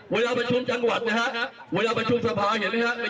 เวลาประชุมจังหวัดนะฮะเวลาประชุมสภาเห็นไหมครับ